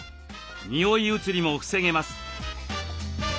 匂い移りも防げます。